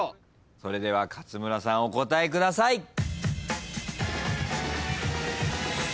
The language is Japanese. それでは勝村さんお答えください。